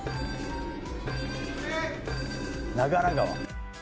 長良川。